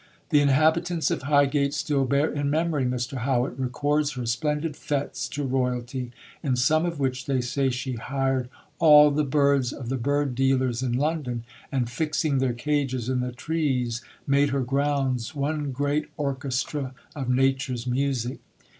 "The inhabitants of Highgate still bear in memory," Mr Howitt records, "her splendid fêtes to Royalty, in some of which, they say, she hired all the birds of the bird dealers in London, and fixing their cages in the trees, made her grounds one great orchestra of Nature's music."